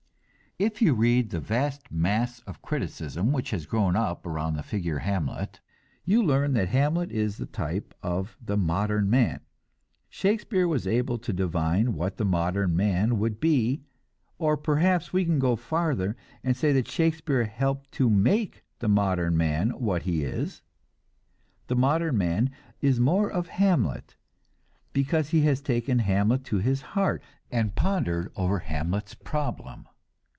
If you read the vast mass of criticism which has grown up about the figure of Hamlet, you learn that Hamlet is the type of the "modern man." Shakespeare was able to divine what the modern man would be; or perhaps we can go farther and say that Shakespeare helped to make the modern man what he is; the modern man is more of Hamlet, because he has taken Hamlet to his heart and pondered over Hamlet's problem.